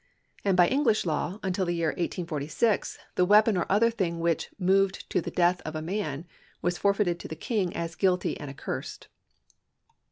And by English law until the year 1846 the weapon or other thing which " moved to the death of a man " was forfeited to the King as guilty and accursed.